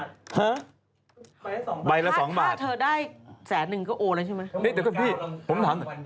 เดี๋ยวก่อนพี่ผมถาม